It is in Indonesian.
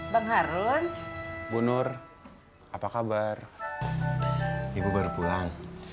bang harun bunur apa kabar ibu baru pulang